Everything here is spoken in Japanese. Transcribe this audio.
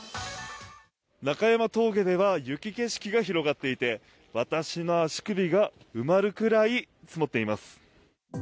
中山峠では雪景色が広がっていて、私の足首が埋まるくらい積もっています。